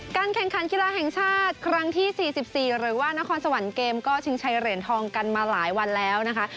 แข่งขันกีฬาแห่งชาติครั้งที่๔๔หรือว่านครสวรรค์เกมก็ชิงชัยเหรียญทองกันมาหลายวันแล้วนะคะ